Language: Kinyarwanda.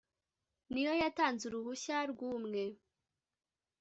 ni yo yatanze uruhushya rw’umwe